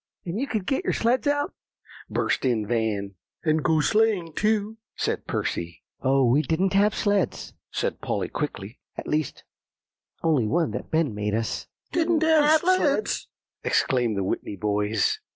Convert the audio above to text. "And you could get your sleds out," burst in Van "And go sleighing too," said Percy. "Oh, we didn't have sleds!" said Polly quickly; "at least, only one that Ben made us." "Didn't have sleds!" exclaimed the Whitney boys.